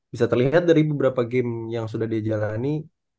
bisa terlihat dari beberapa game yang sudah dia jalani